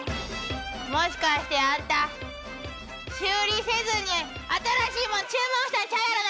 もしかしてあんた修理せずに新しいもん注文したんちゃうやろな！